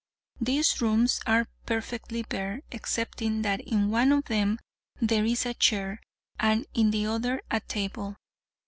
These rooms are perfectly bare, excepting that in one of them there is a chair, and in the other a table.